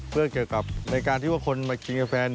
เพื่อเกี่ยวกับในการที่ว่าคนมากินกาแฟ